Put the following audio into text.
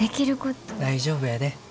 大丈夫やで。